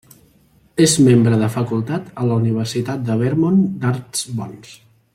És membre de facultat a la Universitat de Vermont d'Arts Bons.